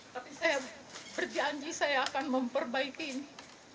tapi saya berjanji saya akan memperbaiki ini